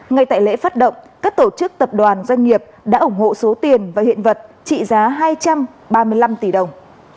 ngay tại lễ phát động các tổ chức tập đoàn doanh nghiệp đã ủng hộ số tiền và hiện vật trị giá hai trăm ba mươi năm tỷ đồng